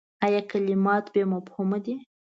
ایا کلمات بې مفهومه دي ؟